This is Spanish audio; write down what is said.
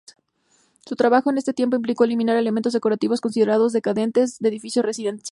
Su trabajo en ese tiempo implicó eliminar elementos decorativos, considerados "decadentes", de edificios residenciales.